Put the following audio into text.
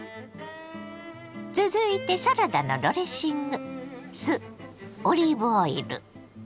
続いてサラダのドレッシング。